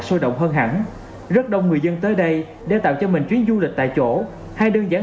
sôi động hơn hẳn rất đông người dân tới đây để tạo cho mình chuyến du lịch tại chỗ hay đơn giản